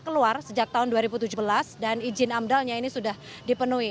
keluar sejak tahun dua ribu tujuh belas dan izin amdalnya ini sudah dipenuhi